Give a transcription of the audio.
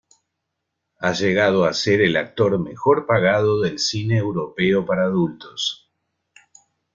Ha llegado a ser el actor mejor pagado del cine europeo para adultos.